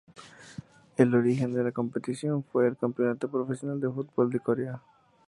El origen de la competición fue el Campeonato profesional de fútbol de Corea.